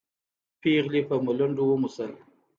پېغلې په ملنډو وموسل.